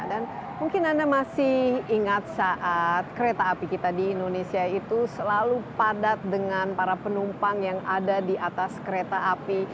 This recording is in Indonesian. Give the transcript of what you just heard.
dan mungkin anda masih ingat saat kereta api kita di indonesia itu selalu padat dengan para penumpang yang ada di atas kereta api